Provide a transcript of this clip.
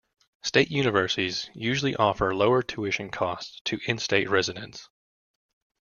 State universities usually offer lower tuition costs to in-state residents.